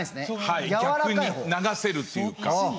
逆に流せるっていうか。